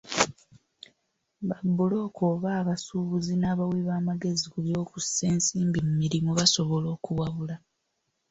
Ba bbulooka oba abasuubuzi n'abawi b'amagezi ku by'okussa ensimbi mu mirimu basobola okuwabula.